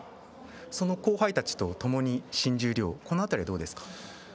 その後輩たちとともに新十両この辺りはどうですか？